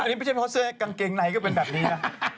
อันนี้ไม่ใช่เพราะเสื้อกางเกงในก็เป็นแบบนี้นะ